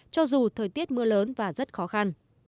cho dù thời tiết mưa lớn và rất khó khăn